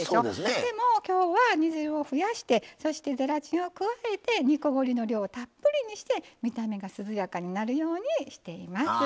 でも、きょうは、煮汁を増やしてそしてゼラチンを加えて、煮こごりの量をたっぷりにして見た目が涼やかになるようにしています。